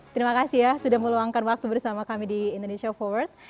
terima kasih ya sudah meluangkan waktu bersama kami di indonesia forward